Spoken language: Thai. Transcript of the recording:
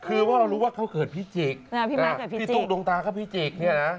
คือว่าเรารู้ว่าเขาเกิดพี่จิกพี่ตุ๊กดวงตาก็พี่จิกเนี่ยนะ